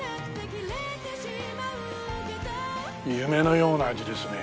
夢のような味ですね。